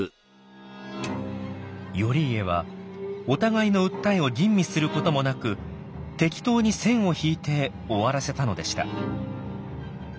頼家はお互いの訴えを吟味することもなく適当に線を引いて終わらせたのでした。